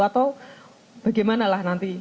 atau bagaimanalah nanti